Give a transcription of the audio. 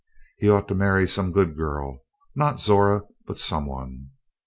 He ought to marry some good girl not Zora, but some one.